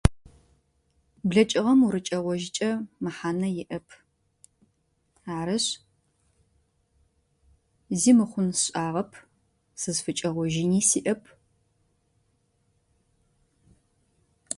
Блэкӏыгъэм уркӏэгъожьыкӏэ мэхъанэ иӏэп. Арышъ зи мухъун сшӏагъэп сызфыкӏэгъожьыни сиӏэп.